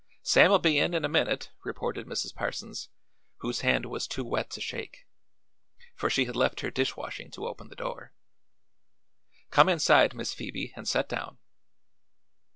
"Sam'll be in in a minute," reported Mrs. Parsons, whose hand was too wet to shake, for she had left her dish washing to open the door. "Come inside, Miss Phoebe, an' set down."